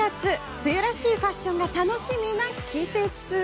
冬らしいファッションが楽しみな季節。